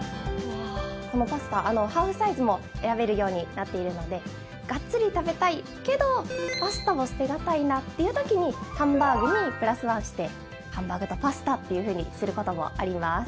このパスタハーフサイズも選べるようになっているのでがっつり食べたいけどパスタも捨て難いなっていう時にハンバーグにプラスワンしてハンバーグとパスタっていうふうにすることもあります。